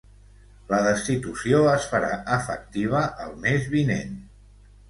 La destitució es farà efectiva el mes vinent.